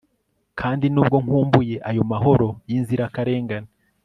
kandi nubwo nkumbuye ayo mahoro yinzirakarengane